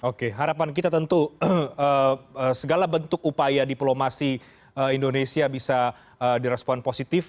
oke harapan kita tentu segala bentuk upaya diplomasi indonesia bisa direspon positif